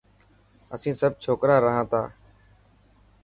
اسين سڀ ڇوڪرا رهان تا.